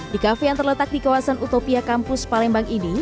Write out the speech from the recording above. di kafe yang terletak di kawasan utopia kampus palembang ini